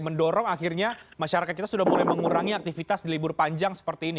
mendorong akhirnya masyarakat kita sudah mulai mengurangi aktivitas di libur panjang seperti ini